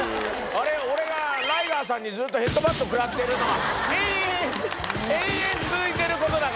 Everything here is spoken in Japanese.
あれ俺がライガーさんにずっとヘッドバット食らってるのが。